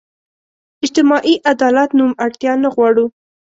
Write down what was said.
اجتماعي عدالت نوم اړتیا نه غواړو.